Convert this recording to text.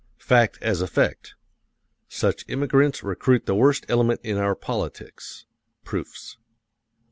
FACT AS EFFECT: Such immigrants recruit the worst element in our politics. (Proofs.)